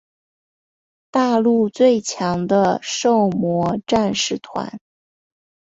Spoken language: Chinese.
大陆最强的狩魔战士团。